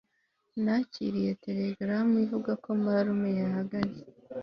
Nakiriye telegaramu ivuga ko marume yahageze